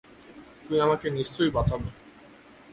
তুই আমাকে নিশ্চয়ই বাঁচাবি!